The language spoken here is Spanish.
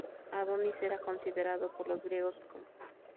Adonis era considerado por los griegos como el dios de las plantas.